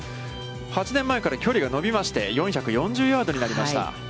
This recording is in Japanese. ８年前から距離が伸びまして、４４０ヤードになりました。